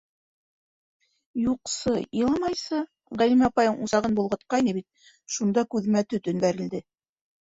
— Юҡсы, иламайымсы, Ғәлимә апайың усағын болғатҡайны бит, шунда күҙемә төтөн бәрелде...